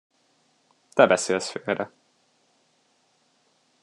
Te beszélsz félre.